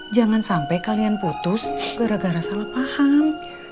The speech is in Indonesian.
jangan sampai kalian putus gara gara salah paham